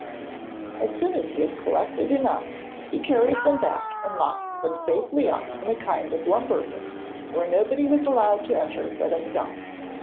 As soon as he had collected enough he carried them back and locked them safely up in a kind of lumber room, where nobody was allowed to enter but himself.